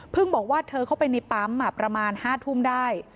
บอกว่าเธอเข้าไปในปั๊มประมาณ๕ทุ่มได้